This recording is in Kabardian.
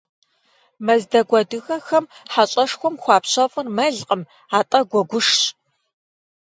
Мэздэгу адыгэхэм хьэщӏэшхуэм хуапщэфӏыр мэлкъым, атӏэ гуэгушщ.